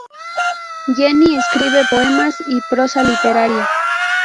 Jenny escribe poemas y prosa literaria.